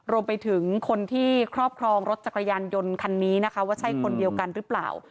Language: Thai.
รวมไปถึงคนที่ครอบครองรถจักรยานยนต์คันนี้นะคะว่าใช่คนเดียวกันหรือเปล่า